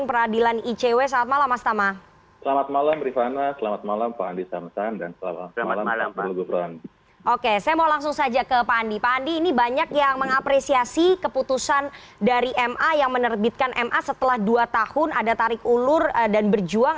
pak andi ini banyak yang mengapresiasi keputusan dari ma yang menerbitkan ma setelah dua tahun ada tarik ulur dan berjuang